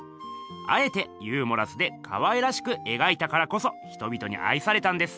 あえてユーモラスでかわいらしくえがいたからこそ人びとにあいされたんです！